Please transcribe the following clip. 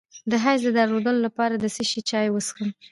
د حیض د درد لپاره د څه شي چای وڅښم؟